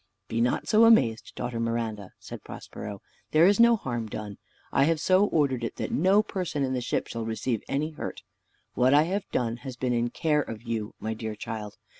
"Be not so amazed, daughter Miranda," said Prospero; "there is no harm done. I have so ordered it, that no person in the ship shall receive any hurt. What I have done has been in care of you, my dear child.